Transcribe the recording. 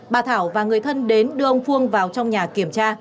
bà thảo và người thân đến đưa ông phương vào trong nhà kiểm tra